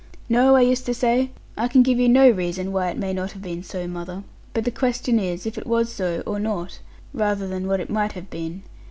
'No,' I used to say; 'I can give you no reason, why it may not have been so, mother. But the question is, if it was so, or not; rather than what it might have been.